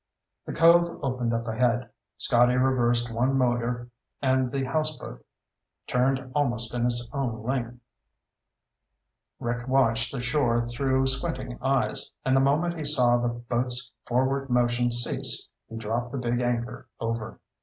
The cove opened up ahead. Scotty reversed one motor and the houseboat turned almost in its own length. Rick watched the shore through squinting eyes, and the moment he saw the boat's forward motion cease, he dropped the big anchor over.